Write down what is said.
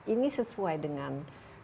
ini sesuai dengan